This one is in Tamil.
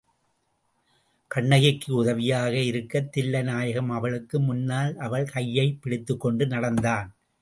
கண்ணகிக்கு உதவியாக இருக்கத் தில்லைநாயகம் அவளுக்கு முன்னால் அவள் கையைப் பிடித்துக்கொண்டு நடந்தான்.